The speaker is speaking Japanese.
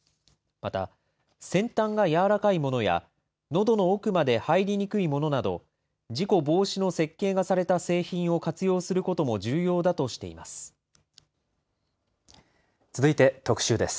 また先端が柔らかいものや、のどの奥まで入りにくいものなど、事故防止の設計がされた製品を活用することも重要だとしています。